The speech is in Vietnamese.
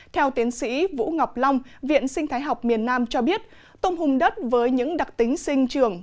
theo tiến sĩ vũ ngọc long viện sinh thái học miền nam cho biết tôm hùm đất với những đặc tính sinh trường